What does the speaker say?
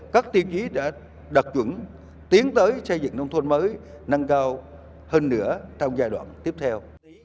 các tiêu chí đã đạt chuẩn tiến tới xây dựng nông thôn mới nâng cao hơn nữa trong giai đoạn tiếp theo